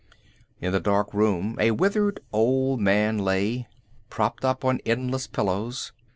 In the dark room a withered old man lay, propped up on endless pillows.